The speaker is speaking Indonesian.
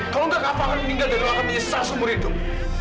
kalau enggak kava akan meninggal dan lo akan menyisah seumur hidup